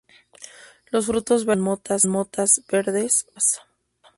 Los frutos verdes con motas verdes pálidas.